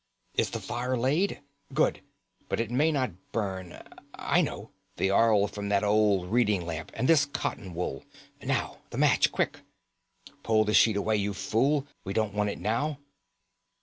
"Is the fire laid? Good, but it may not burn. I know—the oil from that old reading lamp and this cotton wool. Now the match, quick! Pull the sheet away, you fool! We don't want it now."